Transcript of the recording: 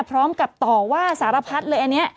พร้อมกับต่อว่าสารพัฒน์